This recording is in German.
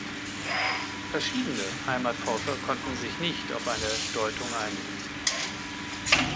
Verschiedene Heimatforscher konnten sich nicht auf eine Deutung einigen.